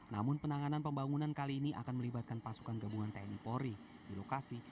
namun penanganan pembangunan kali ini akan melibatkan pasukan gabungan tni polri di lokasi